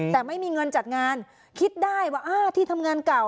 แต่ไม่มีเงินจัดงานคิดได้ว่าที่ทำงานเก่า